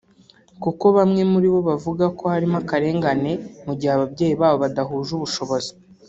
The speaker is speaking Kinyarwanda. kuko bamwe muri bo bavuga ko harimo akarengane mu gihe ababyeyi babo badahuje ubushobozi